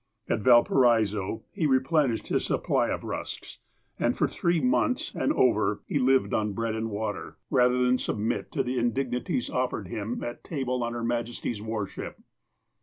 At Valparaiso he i eplenished his supply of rusks, and for three months, and over, he lived on bread and water, ABOARD THE MAN OF WAR 41 rather than submit to the indignities offered him at table on Her Majesty's war ship.